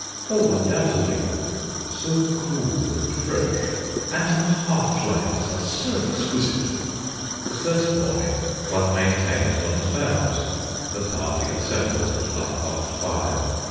"Oh, undoubtedly." "So cool and fresh." "And the half lights are so exquisite." The first morning one maintains one's vows. The party assembles at half past five.